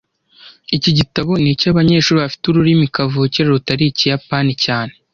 Iki gitabo ni icy'abanyeshuri bafite ururimi kavukire rutari Ikiyapani cyane